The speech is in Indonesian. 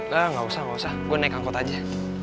gak usah nggak usah gue naik angkot aja